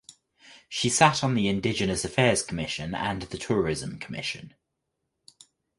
She sat on the Indigenous Affairs commission and the Tourism commission.